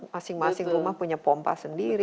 masing masing rumah punya pompa sendiri